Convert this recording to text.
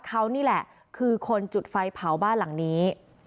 เขานี่แหละคือคนจุดไฟเผาบ้านหลังนี้